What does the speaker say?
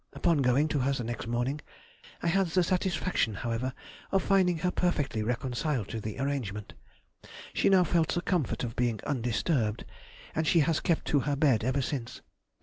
Upon going to her the next morning, I had the satisfaction, however, of finding her perfectly reconciled to the arrangement; she now felt the comfort of being undisturbed, and she has kept to her bed ever since.